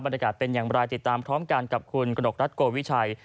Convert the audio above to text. เป็นอย่างไรติดตามพร้อมกันกับคุณกระหนกรัฐโกวิชัย